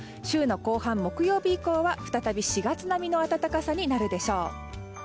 週の後半木曜日以降は再び４月並みの暖かさになるでしょう。